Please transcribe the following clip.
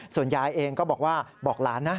ส่วนยายเองก็บอกว่าบอกหลานนะ